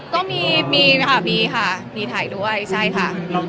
ก็มีค่ะมีถ่ายด้วยใช่ค่ะ